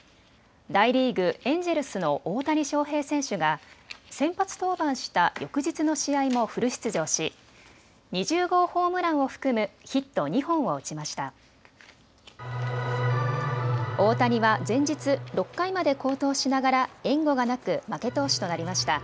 大リーグ、エンジェルスの大谷翔平選手が先発登板した翌日の試合もフル出場し２０号ホームランを含むヒット２本を打ちました。